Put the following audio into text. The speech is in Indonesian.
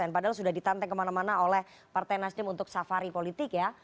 padahal sudah ditanteng kemana mana oleh partai nasdem untuk safari politik ya